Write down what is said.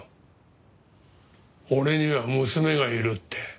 俺には娘がいるって。